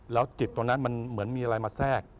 แล้วจิตตรงนั้นมันเหมือนมีอะไรมาแทรก